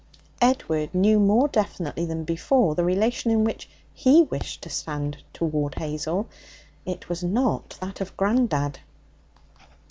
Edward knew more definitely than before the relation in which he wished to stand towards Hazel. It was not that of grandad.